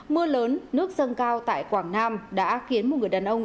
mưa lớn nước dâng cao tại quảng nam đã khiến một người đàn ông